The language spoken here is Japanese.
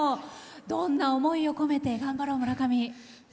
どんな思いを込めて「がんばろう！！村上」。